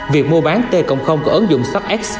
việc mua bán t cộng của ứng dụng sac x